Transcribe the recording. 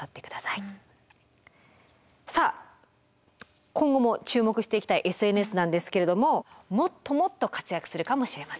さあ今後も注目していきたいＳＮＳなんですけれどももっともっと活躍するかもしれません。